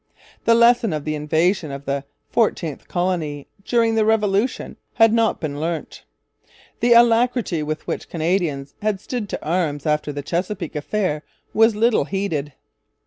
The lesson of the invasion of the 'Fourteenth Colony' during the Revolution had not been learnt. The alacrity with which Canadians had stood to arms after the Chesapeake affair was little heeded.